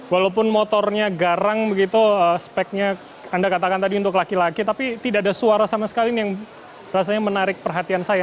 walaupun motornya garang begitu speknya anda katakan tadi untuk laki laki tapi tidak ada suara sama sekali yang rasanya menarik perhatian saya